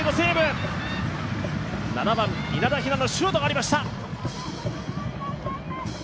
７番稲田雛のシュートがありました。